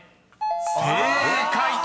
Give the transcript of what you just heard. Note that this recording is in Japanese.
［正解！］